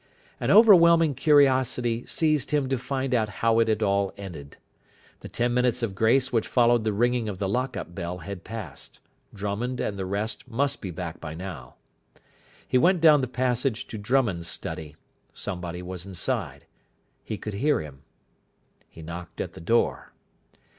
An overwhelming curiosity seized him to find out how it had all ended. The ten minutes of grace which followed the ringing of the lock up bell had passed. Drummond and the rest must be back by now. He went down the passage to Drummond's study. Somebody was inside. He could hear him. He knocked at the door.